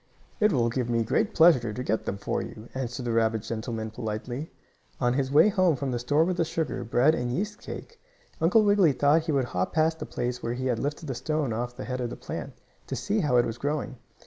"It will give me great pleasure to get them for you," answered the rabbit gentleman politely. On his way home from the store with the sugar, bread and yeast cake, Uncle Wiggily thought he would hop past the place where he had lifted the stone off the head of the plant, to see how it was growing.